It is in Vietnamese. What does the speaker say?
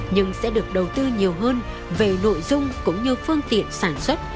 nhưng sẽ được đầu tư nhiều hơn về nội dung cũng như phương tiện sản xuất